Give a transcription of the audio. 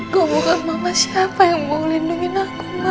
gua bukan mama siapa yang mau ngelindungin aku ma